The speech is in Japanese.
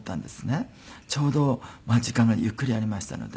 ちょうどまあ時間がゆっくりありましたので。